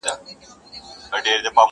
ډبره د يتيم د سره نه چپېږى.